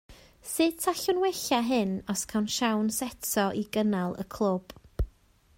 Sut allwn wella hyn os cawn siawns eto i gynnal y clwb?